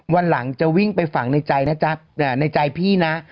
วันหลังจะวิ่งไปฝั่งในใจพี่นะ